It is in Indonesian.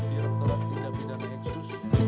tidak terkenal tidak beres